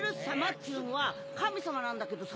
っつうのは神様なんだけどさ。